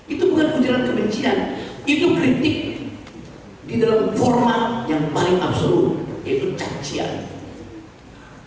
itu bukan ujaran kebencian itu kritik di dalam format yang paling absolut itu cacian